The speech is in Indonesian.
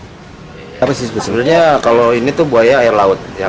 sebelumnya buaya ini adalah air laut